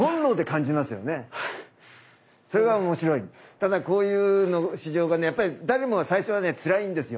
ただこういう修行がねやっぱり誰もが最初はねつらいんですよ。